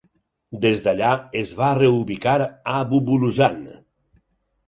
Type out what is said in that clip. Des d'allà, es va reubicar a Bubulusan.